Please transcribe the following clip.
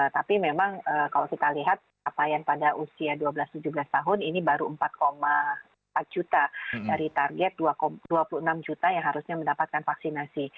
tapi memang kalau kita lihat capaian pada usia dua belas tujuh belas tahun ini baru empat empat juta dari target dua puluh enam juta yang harusnya mendapatkan vaksinasi